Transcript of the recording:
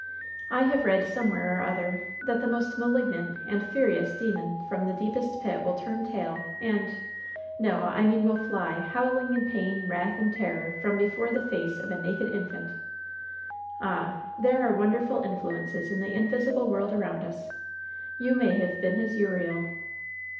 I have read somewhere or other that the most malignant and furi ous demon from the deepest pit will turn tail and — no, I mean will fly, howling in pain, wrath and terror, from before the face of a naked infant ! Ah ! there are won derful influences in the invisible world around us. You may have been his Uriel."